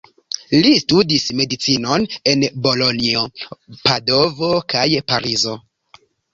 Li studis Medicinon en Bolonjo, Padovo kaj Parizo.